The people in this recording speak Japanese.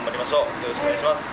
よろしくお願いします。